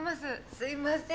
すいません